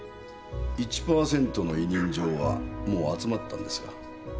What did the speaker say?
１パーセントの委任状はもう集まったんですか？